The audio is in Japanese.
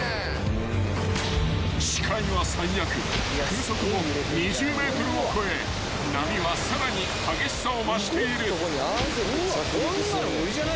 ［風速も２０メートルを超え波はさらに激しさを増している］